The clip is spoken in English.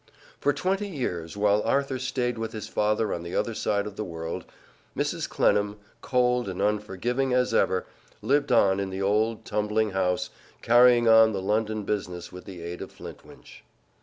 For twenty years, while Arthur stayed with his father on the other side of the world, Mrs. Clennam, cold and unforgiving as ever, lived on in the old, tumbling house, carrying on the London business with the aid of Flintwinch.